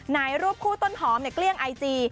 รูปคู่ต้นหอมเนี่ยเกลี้ยงไอจี